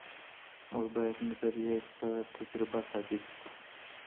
موږ باید نظریې په تجربه ثابتې کړو.